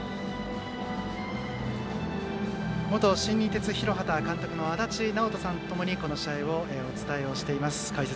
元新日鉄広畑監督の足達尚人さんと共にこの試合をお伝えしています。